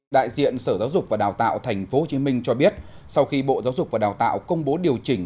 đại diện sở giáo dục và đào tạo tp hcm cho biết sau khi bộ giáo dục và đào tạo công bố điều chỉnh